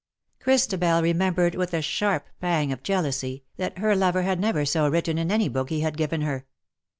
Christabel remembered, with a sharp pang of jealousy, that her lover had never so written in any book he had given her.